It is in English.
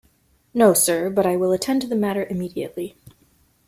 No, sir, but I will attend to the matter immediately.